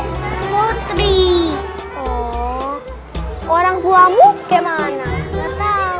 hai klub poetri orang tuamu kayak mana enggak tahu mungkin suami hazin